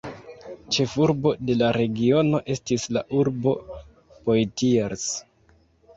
Ĉefurbo de la regiono estis la urbo Poitiers.